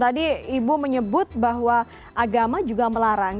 tadi ibu menyebut bahwa agama juga melarang